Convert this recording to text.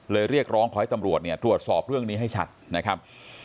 เรียกร้องขอให้ตำรวจเนี่ยตรวจสอบเรื่องนี้ให้ชัดนะครับ